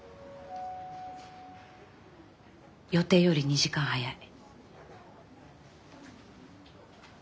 予定より２時間早い。